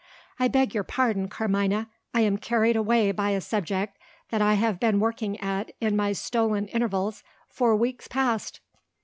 I beg your pardon, Carmina; I am carried away by a subject that I have been working at in my stolen intervals for weeks past.